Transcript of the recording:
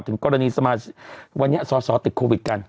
ถึงกรณีสมาชิกวันนี้สอสอติดโควิดกัน